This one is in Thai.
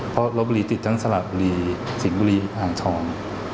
เพราะรถบุรีติดแทนสละบุรีสิงฟ์บุรีหางทอง